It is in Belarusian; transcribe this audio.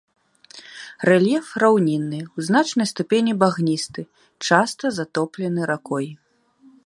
Рэльеф раўнінны, у значнай ступені багністы, часта затоплены ракой.